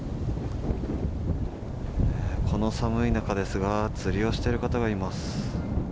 この寒い中ですが、釣りをしている方がいます。